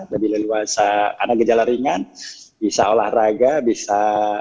lebih leluasa karena gejala ringan bisa olahraga bisa